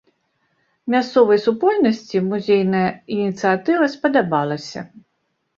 Мясцовай супольнасці музейная ініцыятыва спадабалася.